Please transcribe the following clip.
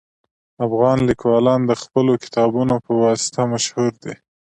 افغان لیکوالان د خپلو کتابونو په واسطه مشهور دي